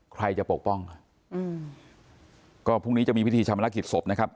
ใครจะปกป้องอืมก็พรุ่งนี้จะมีพิธีชามนักกิจศพนะครับ